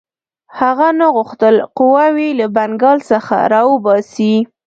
هغه نه غوښتل قواوې له بنګال څخه را وباسي.